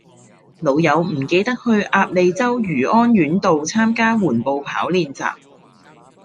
老友唔記得去鴨脷洲漁安苑道參加緩步跑練習